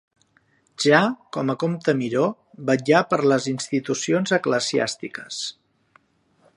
Ja com a comte Miró vetllà per les institucions eclesiàstiques.